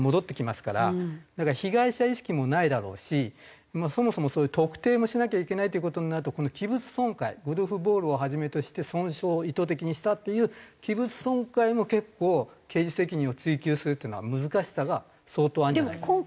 だから被害者意識もないだろうしそもそもそういう特定もしなきゃいけないっていう事になるとこの器物損壊ゴルフボールをはじめとして損傷を意図的にしたっていう器物損壊も結構刑事責任を追及するっていうのは難しさが相当あるんじゃないか。